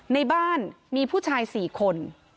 ในบ้านมีผู้ชาย๔คน